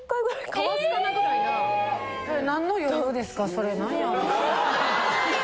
それ何やろ。